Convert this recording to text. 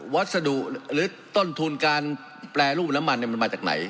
วัสดุหรือต้นทุนการแปรรูปน้ำมันมันมาจากไหน